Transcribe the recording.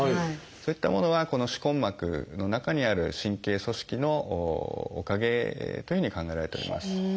そういったものはこの歯根膜の中にある神経組織のおかげというふうに考えられております。